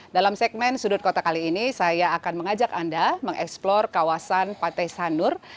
dalam segmen sudut kota kali ini saya akan mengajak anda mengeksplor kawasan pantai sanur